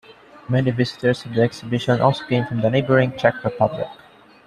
Many visitors of the exhibition also came from the neighbouring Czech Republic.